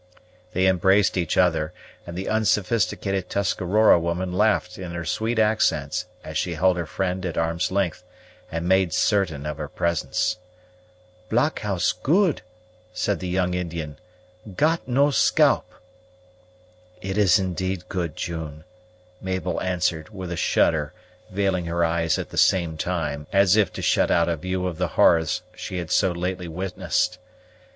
They embraced each other, and the unsophisticated Tuscarora woman laughed in her sweet accents as she held her friend at arm's length, and made certain of her presence. "Blockhouse good," said the young Indian; "got no scalp." "It is indeed good, June," Mabel answered, with a shudder, veiling her eyes at the same time, as if to shut out a view of the horrors she had so lately witnessed.